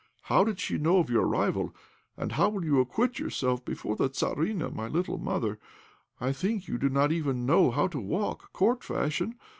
How did she know of your arrival? And how will you acquit yourself before the Tzarina, my little mother? I think you do not even know how to walk Court fashion.